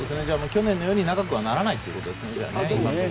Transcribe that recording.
去年のようには長くならないということですね。